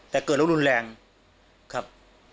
แต่เกิดแล้วรุนแรงครับ